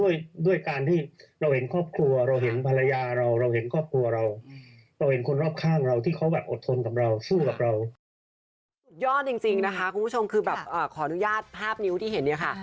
สุดยอดจริงนะคะคุณผู้ชมคือแบบขออนุญาตภาพนิ้วที่เห็นเนี่ยค่ะ